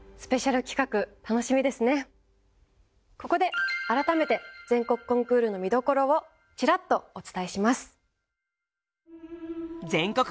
ここで改めて全国コンクールの見どころをちらっとお伝えします！